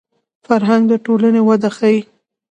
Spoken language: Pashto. فرهنګ د ټولنې وده ښيي